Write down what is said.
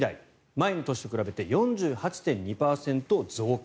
前の年と比べて４８．２％増加。